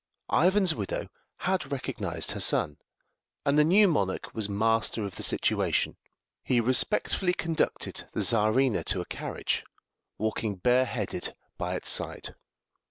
Ivan's widow had recognized her son, and the new monarch was master of the situation. He respectfully conducted the Czarina to a carriage, walking bare headed by its side.